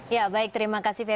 ya baik terima kasih fer